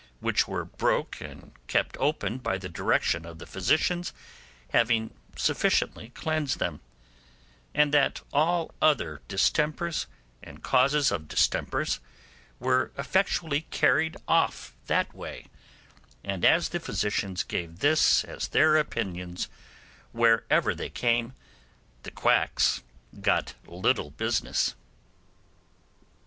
which were broke and kept open by the directions of the physicians, having sufficiently cleansed them; and that all other distempers, and causes of distempers, were effectually carried off that way; and as the physicians gave this as their opinions wherever they came, the quacks got little business.